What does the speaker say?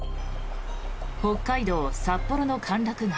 北海道札幌の歓楽街